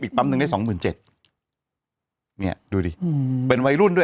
ปั๊มหนึ่งได้สองหมื่นเจ็ดเนี่ยดูดิอืมเป็นวัยรุ่นด้วย